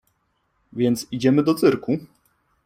Więc idziemy do cyrku?